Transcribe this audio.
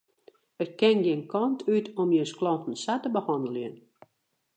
It kin gjin kant út om jins klanten sa te behanneljen.